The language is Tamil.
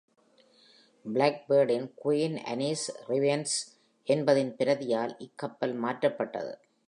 Blackbeard இன் “Queen Anne’s Revenge” என்பதன் பிரதியால் இக்கப்பல் மாற்றப்பட்டது.